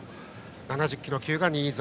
７０キロ級が新添。